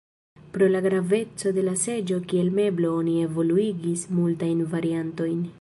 Pro la graveco de la seĝo kiel meblo oni evoluigis multajn variantojn.